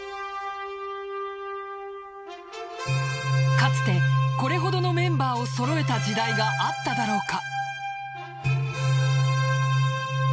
かつてこれほどのメンバーを揃えた時代があっただろうか。